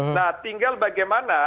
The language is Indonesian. nah tinggal bagaimana